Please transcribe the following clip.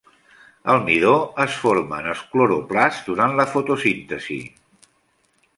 El midó es forma en els cloroplasts durant la fotosíntesi.